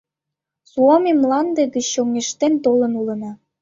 Суоми мланде гыч чоҥештен толын улына.